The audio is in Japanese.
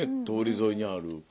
通り沿いにある。